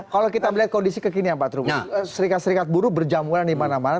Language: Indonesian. kalau kita melihat kondisi kekinian pak trubus serikat serikat buruh berjamuran di mana mana